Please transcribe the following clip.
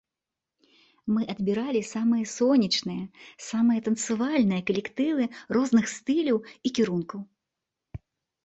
Мы адбіралі самыя сонечныя, самыя танцавальныя калектывы розных стыляў і кірункаў.